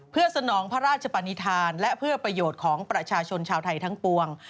เพื่อสนองพระราชปนิษฐานและเพื่อประโยชน์ของประชาชนชาวไทยทั้งปวง